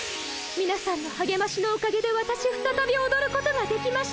みなさんのはげましのおかげでわたしふたたびおどることができました。